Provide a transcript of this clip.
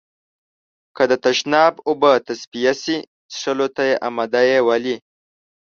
که د تشناب اوبه تصفيه شي، څښلو ته يې آماده يئ؟ ولې؟